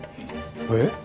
えっ？